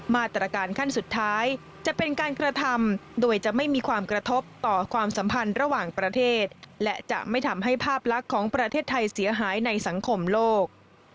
มาตรการขั้นสุดท้ายจะเป็นการกระทำโดยจะไม่มีความกระทบต่อความสัมพันธ์ระหว่างประเทศและจะไม่ทำให้ภาพลักษณ์ของประเทศไทยเสียหายในสังคมโลก